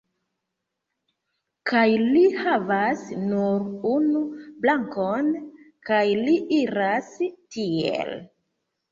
Kaj li havas nur unu brakon, kaj li iras tiel